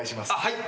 はい。